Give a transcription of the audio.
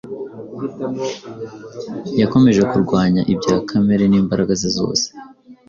yakomeje kurwanya ibya kamere n’imbaraga ze sose.